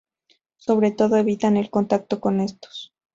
Sobre todo evitan el contacto con estos.